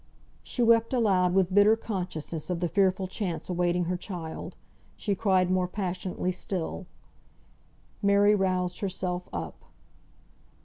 She sobbed aloud with bitter consciousness of the fearful chance awaiting her child. She cried more passionately still. Mary roused herself up.